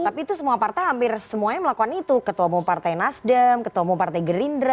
tapi itu semua partai hampir semuanya melakukan itu ketua umum partai nasdem ketua umum partai gerindra